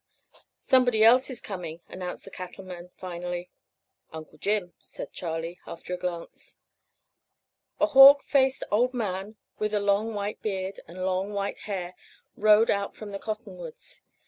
"Somebody else coming," announced the Cattleman finally. "Uncle Jim," said Charley, after a glance. A hawk faced old man with a long white beard and long white hair rode out from the cottonwoods.